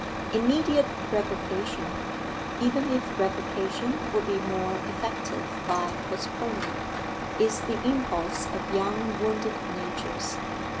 Immediate revocation even if revocation would be more effective by postponement is the impulse of young wounded natures.